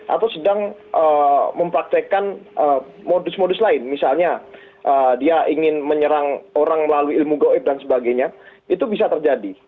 atau sedang mempraktekkan modus modus lain misalnya dia ingin menyerang orang melalui ilmu goib dan sebagainya itu bisa terjadi